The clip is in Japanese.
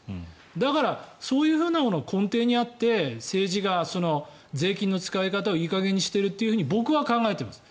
だからそういうものが根底にあって、政治が税金の使い方をいい加減にしていると僕は考えています。